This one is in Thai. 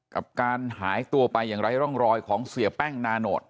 กับการหายตัวไปอย่างไร้ร่องรอยของเสียแป้งนาโนต